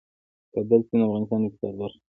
د کابل سیند د افغانستان د اقتصاد برخه ده.